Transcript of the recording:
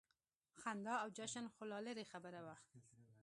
خندا او جشن خو لا لرې خبره وه.